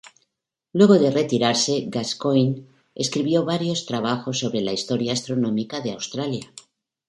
Luego de retirarse, Gascoigne escribió varios trabajos sobre la historia astronómica de Australia.